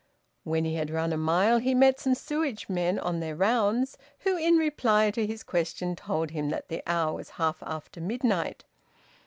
When he had run a mile he met some sewage men on their rounds, who in reply, to his question told him that the hour was half after midnight.